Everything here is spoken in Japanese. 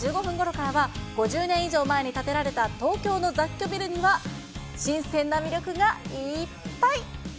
そして７時１５分ごろからは、５０年以上前に建てられた東京の雑居ビルには、新鮮な魅力がいっぱい。